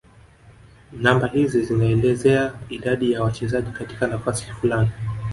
namba hizi zinaelezea idadi ya wachezaji katika nafasi fulani